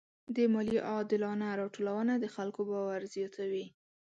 د مالیې عادلانه راټولونه د خلکو باور زیاتوي.